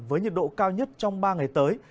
với nhiệt độ cao nhất trong ba ngày tới